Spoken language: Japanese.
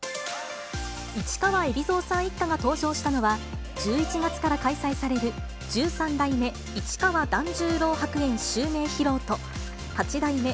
市川海老蔵さん一家が登場したのは、１１月から開催される十三代目市川團十郎白猿襲名披露と、八代目